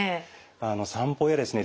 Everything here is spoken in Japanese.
散歩やですね